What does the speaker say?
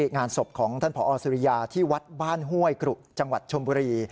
งานศพของท่านผอสุริยาที่วัดบ้านห้วยกรุจังหวัดชมบุรี